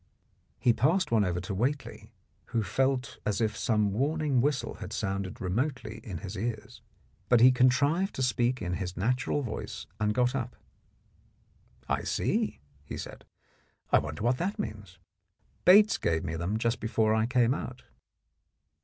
He passed one over to Whately, who felt as if some warning whistle had sounded remotely in his ears. But he contrived to speak in his natural voice, and got up. "I see," he said; "I wonder what that means. Bates gave me them just before I came out."